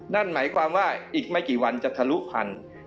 นั่นหมายความว่าอีกไม่กี่วันจะทะลุพันธุ์